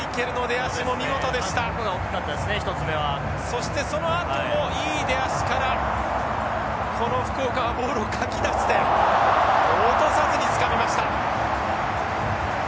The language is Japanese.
そしてそのあともいい出足からこの福岡がボールをかき出して落とさずにつかみました。